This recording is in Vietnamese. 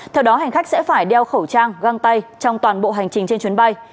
theo đó hành khách sẽ phải đeo khẩu trang găng tay trong toàn bộ hành trình trên chuyến bay